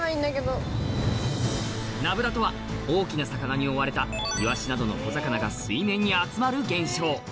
ナブラとは大きな魚に追われたイワシなどの小魚が水面に集まる現象